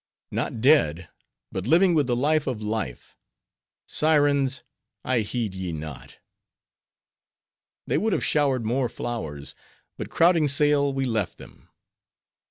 "Not dead, but living with the life of life. Sirens! I heed ye not." They would have showered more flowers; but crowding sail we left them.